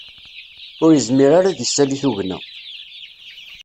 Ur yezmir ara ad isali tugna.